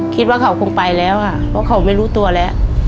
คิดว่าเขาคงไปแล้วค่ะเพราะเขาไม่รู้ตัวแล้ว